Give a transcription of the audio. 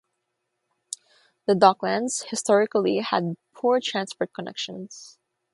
The Docklands historically had poor transport connections.